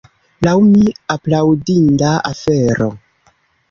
Lau mi aplaudinda afero.